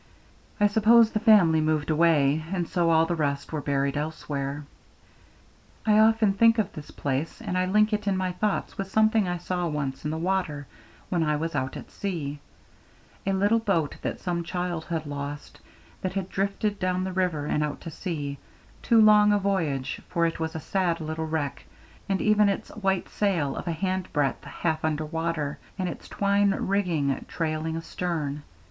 I suppose the family moved away, and so all the rest were buried elsewhere. I often think of this place, and I link it in my thoughts with something I saw once in the water when I was out at sea: a little boat that some child had lost, that had drifted down the river and out to sea; too long a voyage, for it was a sad little wreck, with even its white sail of a hand breadth half under water, and its twine rigging trailing astern.